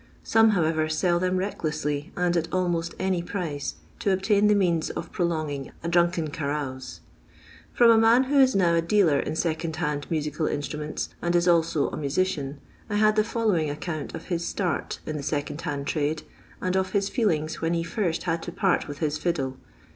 Some, however, sell them recklessly ; and at almost any price, to obtain the means uf \ prolonging a drunken carouse. j From a man who is now a dealer in second i hand musical instruments, and is also a musician, ' I had the following account of his start in the ' second hand trade, and of his feelings when he < first hud to part with his fiddle.